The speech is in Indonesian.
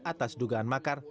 atas dugaan makar